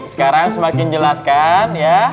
sekarang semakin jelas kan ya